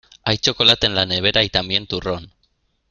Hay chocolate en la nevera y también turrón.